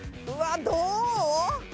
うわっどう？